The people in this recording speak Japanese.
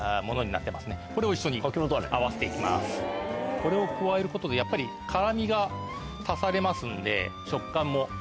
これを加えることでやっぱり辛みが足されますので。